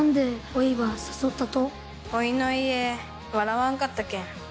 おいの家、笑わんかったけん。